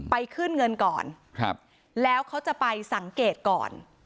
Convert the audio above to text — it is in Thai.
ไปขึ้นเงินก่อนครับแล้วเขาจะไปสังเกตก่อน